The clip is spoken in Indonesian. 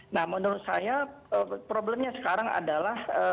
nah menurut saya problemnya sekarang adalah